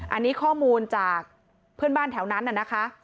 อันนี้ข้อมูลจากเพื่อนบ้านแถวนั้นน่ะนะคะ